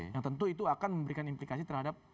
yang tentu itu akan memberikan implikasi terhadap